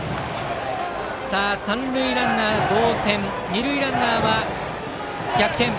三塁ランナー、同点二塁ランナーは逆転。